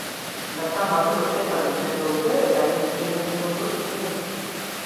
Bertan batzuk besteetatik ikasiko dute eta haien esperientziei buruz hitz egin.